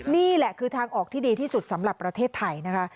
นี่แหละคือทางออกที่ดีที่สุดสำหรับประเทศไทยนะคะ